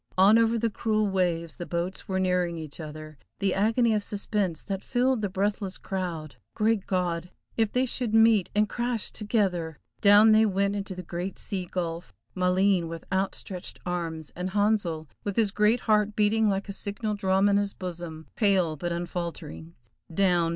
On over the cruel waves, the boats were nearing each other. The agony of suspense that filled the breathless crowd! Great God! if they should meet and crash together! Down they went into the great sea gulf; Maleen with outstretched arms, and Handsel with his great heart beating like a signal drum in his bosom, pale but unfaltering. Down!